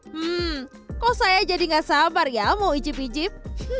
hmm kok saya jadi gak sabar ya mau icip icip